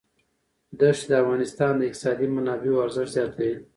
دښتې د افغانستان د اقتصادي منابعو ارزښت زیاتوي.